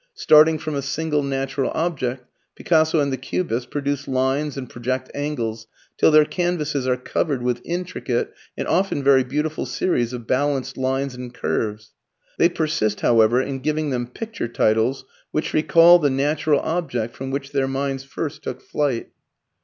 Starting from a single natural object, Picasso and the Cubists produce lines and project angles till their canvases are covered with intricate and often very beautiful series of balanced lines and curves. They persist, however, in giving them picture titles which recall the natural object from which their minds first took flight.